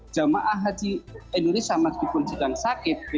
jemaah haji indonesia meskipun sedang sakit